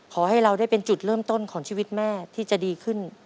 ขอให้เราได้เป็นจุดเริ่มต้นของชีวิตแม่ที่จะดีขึ้น